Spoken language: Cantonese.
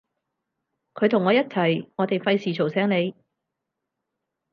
佢同我一齊，我哋費事嘈醒你